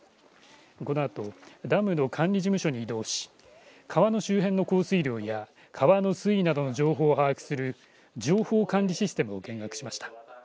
このあとダムの管理事務所に移動し川の周辺の降水量や川の水位などの情報を把握する情報管理システムを見学しました。